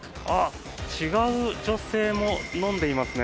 違う女性も飲んでいますね。